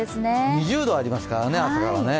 ２０度ありますからね、朝からね。